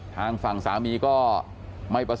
ทางฝั่งสามีก็ไม่ประสงค์